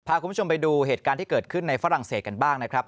พาคุณผู้ชมไปดูเหตุการณ์ที่เกิดขึ้นในฝรั่งเศสกันบ้างนะครับ